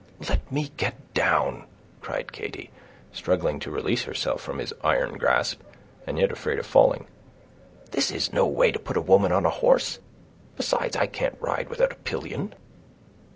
"Let me get down," cried Katy, struggling to release herself from his iron grasp, and yet afraid of falling. "This is no way to put a woman on a horse; besides, I can't ride without a pillion."